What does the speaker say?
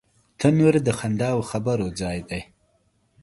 تنور د خندا او خبرو ځای دی